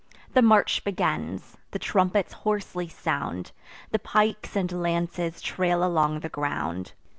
The march begins: the trumpets hoarsely sound; The pikes and lances trail along the ground.